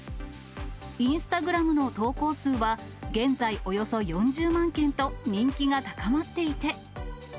インスタグラムの投稿数は、現在およそ４０万件と、人気が高まっていて。